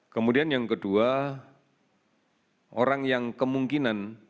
kemudian yang kedua orang yang kemungkinan